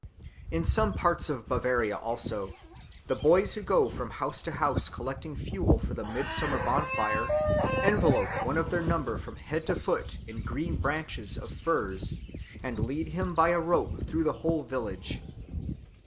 In some parts of Bavaria, also, the boys who go from house to house collecting fuel for the midsummer bonfire envelop one of their number from head to foot in green branches of firs, and lead him by a rope through the whole village.